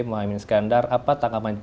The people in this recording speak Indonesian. muhammad iskandar apa tanggapan